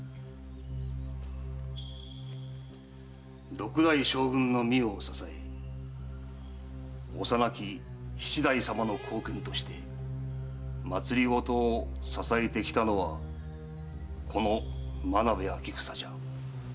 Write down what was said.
六代将軍の御代を支え幼き七代様の後見として政を支えてきたのはこの間部詮房じゃ。